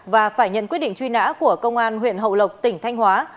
và phải nhận quyết định truy nã của công an huyện hậu lộc tỉnh thanh hóa